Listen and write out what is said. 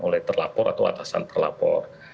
oleh terlapor atau atasan terlapor